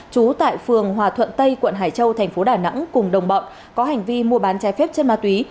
trú tại phường hòa thuận tây quận hải châu thành phố đà nẵng cùng đồng bọn có hành vi mua bán trái phép chân ma túy